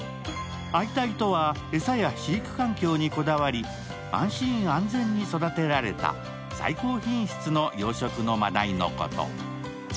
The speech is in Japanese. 愛鯛とは、餌や飼育環境にこだわり安心安全に育てられた最高品質の養殖の真鯛のこと。